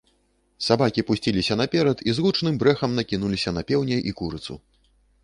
Сабакі пусціліся наперад і з гучным брэхам накінуліся на пеўня і курыцу.